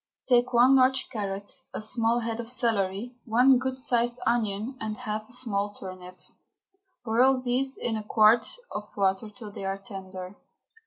Take one large carrot, a small head of celery, one good sized onion, and half a small turnip, and boil these in a quart of water till they are tender.